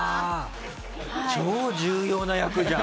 超重要な役じゃん。